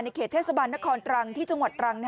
เขตเทศบาลนครตรังที่จังหวัดตรัง